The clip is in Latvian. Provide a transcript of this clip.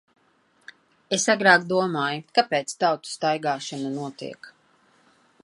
Es agrāk domāju - kāpēc tautu staigāšana notiek.